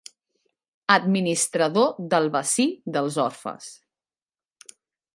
Administrador del bací dels orfes.